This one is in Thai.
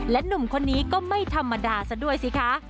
หนุ่มคนนี้ก็ไม่ธรรมดาซะด้วยสิคะ